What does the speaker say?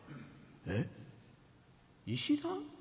「えっ石段？